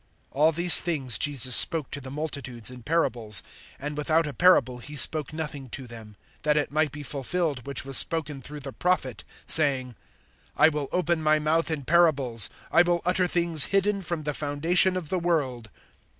(34)All these things Jesus spoke to the multitudes in parables; and without a parable he spoke nothing to them; (35)that it might be fulfilled which was spoken through the prophet, saying: I will open my mouth in parables; I will utter things hidden from the foundation of the world.